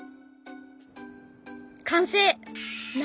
完成！